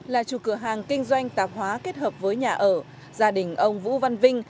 là chủ cửa hàng kinh doanh tạp hóa kết hợp với nhà ở gia đình ông vũ văn vinh